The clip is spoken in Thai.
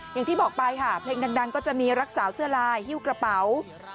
อย่างที่บอกไปค่ะเพลงดังก็จะมีรักษาเสื้อลายฮิ้วกระเป๋า